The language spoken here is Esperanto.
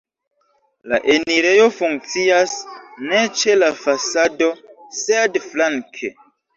La enirejo funkcias ne ĉe la fasado, sed flanke.